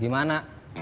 jika tak dig electrical